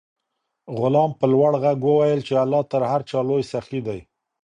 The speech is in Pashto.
غلام په لوړ غږ وویل چې الله تر هر چا لوی سخي دی.